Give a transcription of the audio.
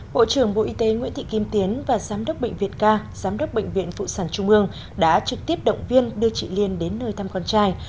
bộ trưởng bộ y tế nguyễn thị kim tiến và giám đốc bệnh viện ca giám đốc bệnh viện phụ sản trung ương đã trực tiếp động viên đưa chị liên đến nơi thăm con trai